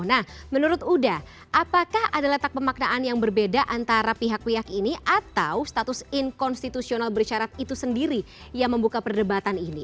nah menurut uda apakah ada letak pemaknaan yang berbeda antara pihak pihak ini atau status inkonstitusional bersyarat itu sendiri yang membuka perdebatan ini